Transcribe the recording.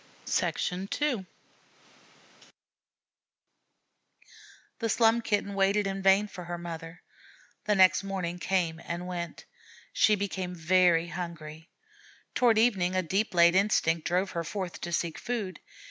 II The Slum Kitten waited in vain for her mother. The morning came and went. She became very hungry. Toward evening a deep laid instinct drove her forth to seek food.